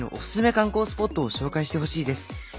観光スポットを紹介してほしいです」。